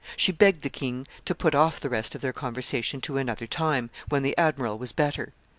She begged the king to put off the rest of their conversation to another time, when the admiral was better.